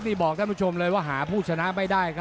นี่บอกท่านผู้ชมเลยว่าหาผู้ชนะไม่ได้ครับ